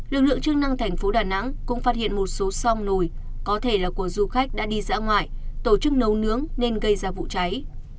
lực lượng chức năng thành phố đà nẵng cũng phát hiện một số sông nùi có thể là của du khách đã đi dã ngoại tổ chức nấu nướng nên gây ra vụ cháy